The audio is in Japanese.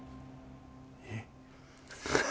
えっ。